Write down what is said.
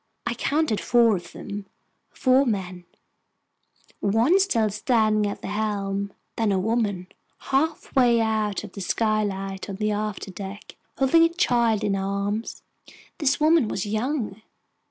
I counted four of them—four men, one still standing at the helm—then a woman, halfway out of a skylight on the afterdeck, holding a child in her arms. This woman was young.